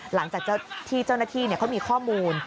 หลังจากที่เจ้าหน้าที่เขามีข้อมูล